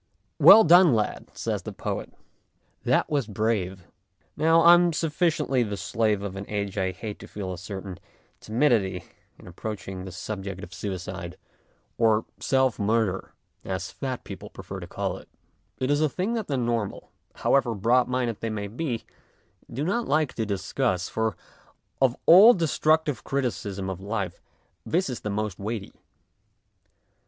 " Well done, lad," says the poet ;" that was brave !" Now, I am sufficiently the slave of an age I hate to feel a certain timidity in approach 91 92 MONOLOGUES ing this subject of suicide, or self murder as fat people prefer to call it. It is a thing that the normal, however broadminded they may be, do not like to discuss, for of all destructive criticism of life this is the most weighty.